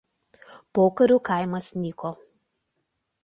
Pokariu kaimas nyko.